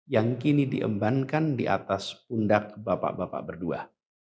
yang kini diembankan di atas pundak bapak bapak berdua